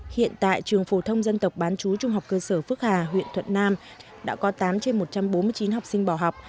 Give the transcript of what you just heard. hiện tại trường phổ thông dân tộc bán chú trung học cơ sở phước hà huyện thuận nam đã có tám trên một trăm bốn mươi chín học sinh bỏ học